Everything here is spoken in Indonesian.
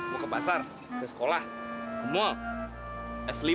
mau ke pasar ke sekolah ke mall asli